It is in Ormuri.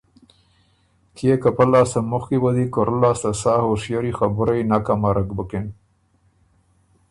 کيې که پۀ لاسته مخکی وه دی کُورۀ لاسته سا هُشئری خبُرئ نک امرک بُکِن۔